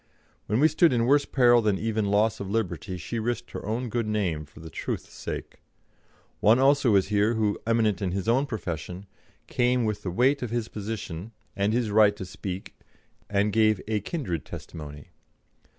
When we stood in worse peril than even loss of liberty, she risked her own good name for the truth's sake. One also is here who, eminent in his own profession, came with the weight of his position and his right to speak, and gave a kindred testimony.